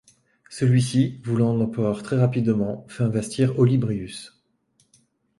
Celui-ci, voulant un empereur très rapidement, fait investir Olybrius.